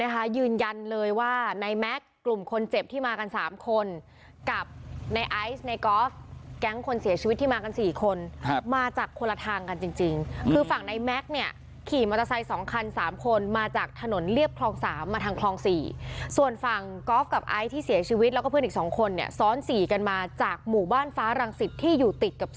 ตำรวจก็พยายามเก็บพยานหลักฐานแล้วก็ตรวจสอบกล้องวงจรปิดดู